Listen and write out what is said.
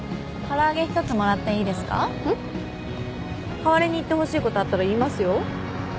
代わりに言ってほしいことあったら言いますよ。